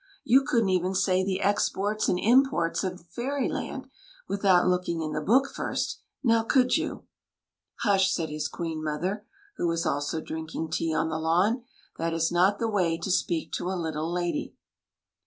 You could n't even say the exports and imports of Fairyland without looking in the book first ; now, could you ?"" Hush !" said his Queen mother, who was also drinking tea on the lawn. " That is not the way to speak to a little lady."